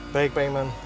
baik pak iman